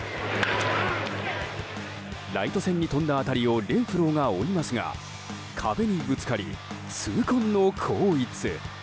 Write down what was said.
ライト線に飛んだ当たりをレンフローが追いますが壁にぶつかり、痛恨の後逸。